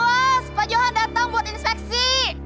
awas pak johan datang buat inspeksi